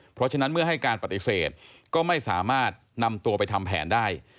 เพราะฉะนั้นเมื่อให้การปฏิเสธก็ไม่สามารถนำตัวไปทำแผนได้